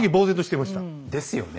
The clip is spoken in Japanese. ですよね。